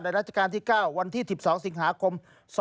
ในรักษาการที่๙วันที่๑๒สิงหาคม๒๕๖๑